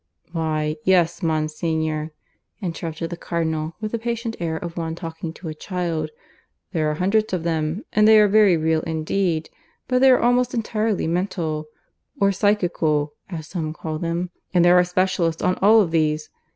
"Why, yes, Monsignor," interrupted the Cardinal, with the patient air of one talking to a child, "there are hundreds of those; and they are very real indeed; but they are almost entirely mental or psychical, as some call them. And there are specialists on all of these.